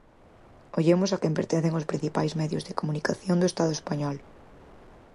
Ollemos a quen pertencen os principais medios de comunicación do Estado español.